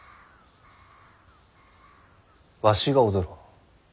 わしが踊ろう。